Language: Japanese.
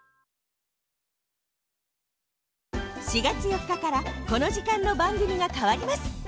４月４日からこの時間のばんぐみがかわります